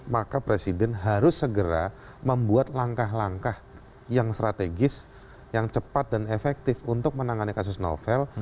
maka presiden harus segera membuat langkah langkah yang strategis yang cepat dan efektif untuk menangani kasus novel